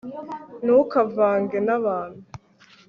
ntukavange nabantu